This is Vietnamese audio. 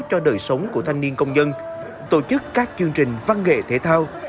cho đời sống của thanh niên công nhân tổ chức các chương trình văn nghệ thể thao